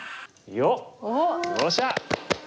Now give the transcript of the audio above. よっしゃ！